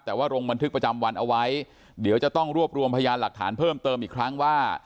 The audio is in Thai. แต่ว่าลงบันทึกประจำวันเอาไว้เดี๋ยวจะต้องรวบรวมพยานหลักฐานเพิ่มเติมอีกครั้งว่า